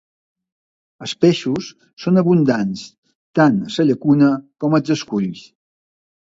Els peixos són abundants tant a la llacuna com als esculls.